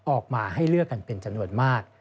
ออกมาให้เลือกกันเป็นจำนวนมาก